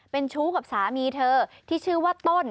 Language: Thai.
เป็นชู้กับสามีเธอที่ชื่อว่าต้น